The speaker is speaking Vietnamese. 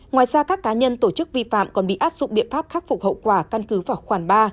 ngoài ra các cá nhân tổ chức vi phạm còn bị áp dụng biện pháp khắc phục hậu quả căn cứ vào khoản ba